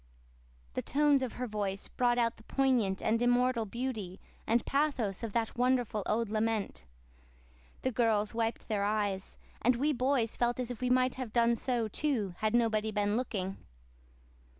'" The tones of her voice brought out the poignant and immortal beauty and pathos of that wonderful old lament. The girls wiped their eyes; and we boys felt as if we might have done so, too, had nobody been looking.